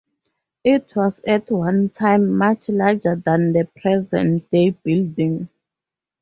It was at one time much larger than the present-day building.